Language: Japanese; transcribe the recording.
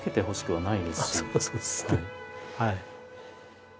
はい。